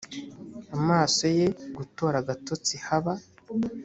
amaso ye gutora agatotsi haba